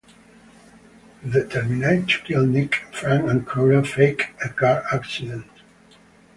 Determined to kill Nick, Frank and Cora fake a car accident.